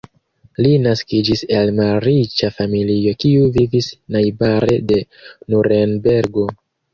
Li naskiĝis el malriĉa familio kiu vivis najbare de Nurenbergo.